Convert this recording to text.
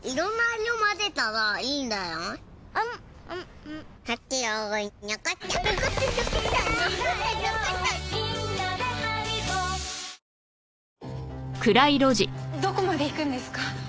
ぷはーっどこまで行くんですか？